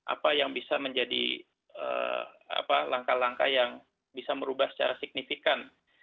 apa yang bisa menjadi langkah langkah yang bisa merubah secara signifikan